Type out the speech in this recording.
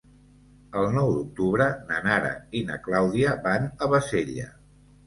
El nou d'octubre na Nara i na Clàudia van a Bassella.